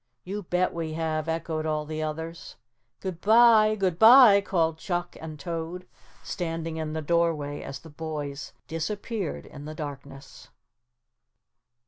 "You bet we have," echoed all the others. "Good bye, good bye," called Chuck and Toad, standing in the doorway as the boys disappeared in the darkness.